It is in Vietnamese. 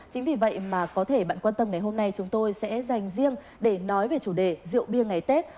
chính vì vậy mà có thể bạn quan tâm ngày hôm nay chúng tôi sẽ dành riêng để nói về chủ đề rượu bia ngày tết